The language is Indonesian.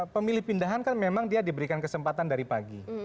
pemilih pindahan kan memang dia diberikan kesempatan dari pagi